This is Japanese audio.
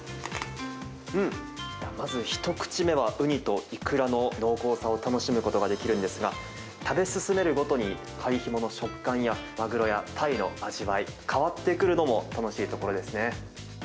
うん、まず一口目はウニとイクラの濃厚さを楽しむことができるんですが、食べ進めるごとに貝ヒモの食感や、マグロやタイの味わい、変わってくるのも楽しいところですね。